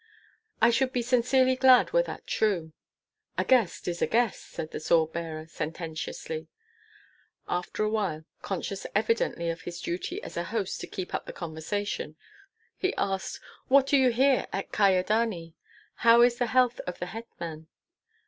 "I should be sincerely glad were that true." "A guest is a guest," said the sword bearer, sententiously. After awhile, conscious evidently of his duty as a host to keep up the conversation, he asked, "What do you hear at Kyedani? How is the health of the hetman?"